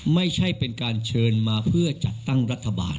ไม่ใช่เป็นการเชิญมาเพื่อจัดตั้งรัฐบาล